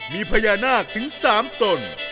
มีพญานาคถึง๓ตน